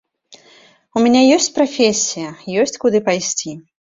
У мяне ёсць прафесія, ёсць куды пайсці.